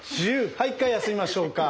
はい一回休みましょうか。